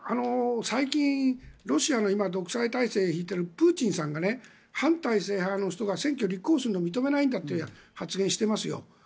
最近、ロシアの今、独裁体制を敷いているプーチンさんが、反体制派の人が選挙に立候補するのを認めないんだという発言をしていますよ。